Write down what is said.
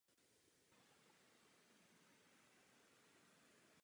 Orbiter s hlavní palivovou nádrží bez problémů pokračoval v letu.